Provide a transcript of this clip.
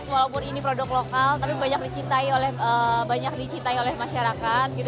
walaupun ini produk lokal tapi banyak dicintai oleh masyarakat gitu